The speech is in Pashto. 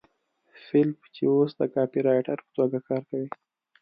فیلیپ چې اوس د کاپيرایټر په توګه کار کوي